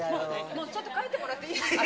もうちょっと帰ってもらっていいですか？